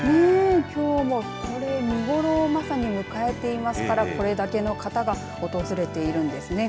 きょうも見頃をまさに迎えていますからこれだけの方が訪れているんですね。